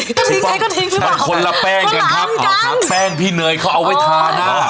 ก็ทิ้งใช้ก็ทิ้งหรือเปล่าคนละแป้งกันแป้งพี่เนยเขาเอาไว้ทาน่ะ